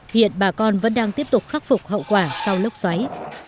hiện bà con vẫn đang tiếp tục khắc phục hậu quả sau lốc xoáy